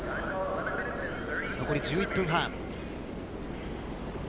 残り１１分半。